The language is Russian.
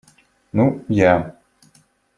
Ну, я.